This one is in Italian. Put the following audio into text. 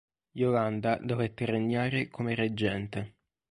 Yolanda dovette regnare come reggente.